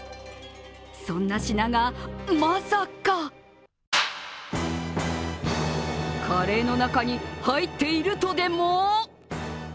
そんな品が、まさかカレーの中に入っているとでも？